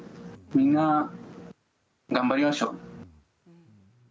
みんな頑張りましょう。